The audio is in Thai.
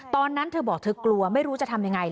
ตอนนั้นเธอบอกเธอกลัวไม่รู้จะทำยังไง